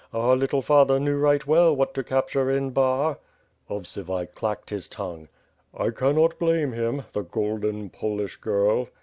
Our little father knew right well what to capture in Bar!" Ovsivuy clacked his tongue. "I cannot blame him. The golden Polish girl."